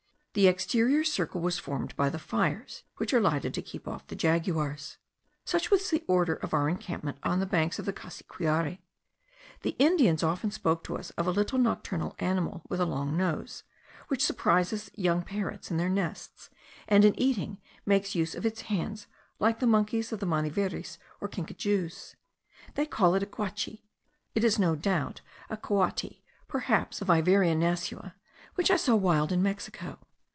The exterior circle was formed by the fires which are lighted to keep off the jaguars. Such was the order of our encampment on the banks of the Cassiquiare. The Indians often spoke to us of a little nocturnal animal, with a long nose, which surprises the young parrots in their nests, and in eating makes use of its hands like the monkeys and the maniveris, or kinkajous. They call it the guachi; it is, no doubt, a coati, perhaps the Viverra nasua, which I saw wild in Mexico.